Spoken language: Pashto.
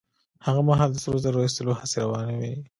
هغه مهال د سرو زرو را ايستلو هڅې روانې وې.